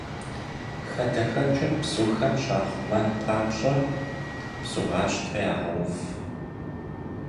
Хадэхэкӏхэр бзухэм щахъумэн папщӏэ, бзугъащтэ ягъэув.